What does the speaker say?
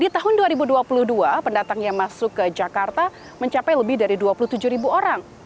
di tahun dua ribu dua puluh dua pendatang yang masuk ke jakarta mencapai lebih dari dua puluh tujuh ribu orang